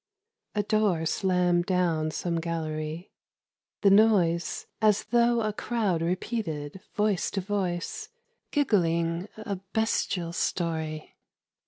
A door slammed down some gallery : the noise As though a crowd repeated voice to voice Giggling a bestial story.